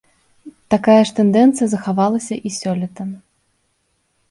Такая ж тэндэнцыя захавалася і сёлета.